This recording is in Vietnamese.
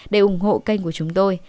để ủng hộ kênh của chúng tôi